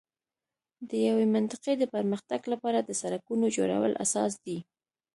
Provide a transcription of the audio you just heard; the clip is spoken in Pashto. د یوې منطقې د پر مختګ لپاره د سړکونو جوړول اساس دی.